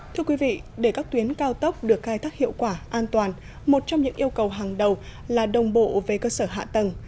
thưa quý vị để các tuyến cao tốc được khai thác hiệu quả an toàn một trong những yêu cầu hàng đầu là đồng bộ về cơ sở hạ tầng